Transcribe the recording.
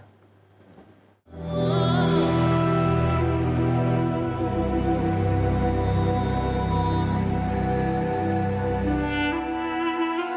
ประสาทดินพิมายสร้างขึ้นเพื่อเป็นสาธารณสถานประจำเมือง